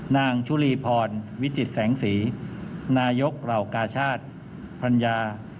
นางชุลีพรวิจิตแสงสีนายกเหล่ากาชาติพรรยา